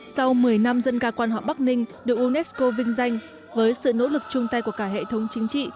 sau một mươi năm dân ca quan họ bắc ninh được unesco vinh danh với sự nỗ lực chung tay của cả hệ thống chính trị